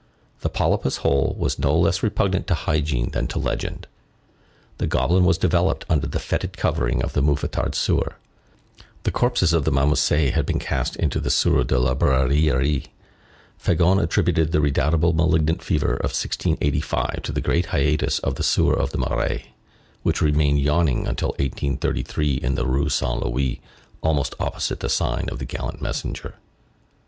The Polypus hole was no less repugnant to hygiene than to legend. The goblin was developed under the fetid covering of the Mouffetard sewer; the corpses of the Marmousets had been cast into the sewer de la Barillerie; Fagon attributed the redoubtable malignant fever of 1685 to the great hiatus of the sewer of the Marais, which remained yawning until 1833 in the Rue Saint Louis, almost opposite the sign of the Gallant Messenger.